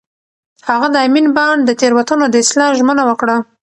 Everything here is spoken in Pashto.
هغه د امین بانډ د تېروتنو د اصلاح ژمنه وکړه.